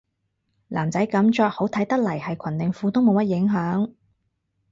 男仔噉着好睇得嚟係裙定褲都冇乜影響